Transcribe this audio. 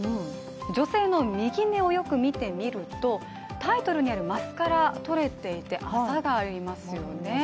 女性の右目をよく見てみるとタイトルにあるマスカラ取れていてアザがありますよね。